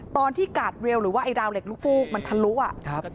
ตอนที่กาดเวลหรือว่าไอ้ราวเหล็กลูกฟูกมันทะลุอ่ะ